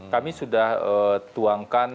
kami sudah tuangkan